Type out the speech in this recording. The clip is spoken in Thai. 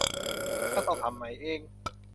ถ้าต้องทำใหม่เอง